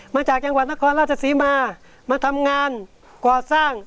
มาจากจังหวัดนครราชศรีมามาทำงานก่อสร้าง